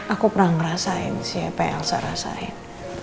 aku pernah ngerasain sih apa yang elsa rasain